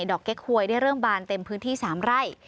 อกเก๊กหวยได้เริ่มบานเต็มพื้นที่๓ไร่